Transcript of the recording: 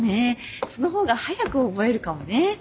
その方が早く覚えるかもね。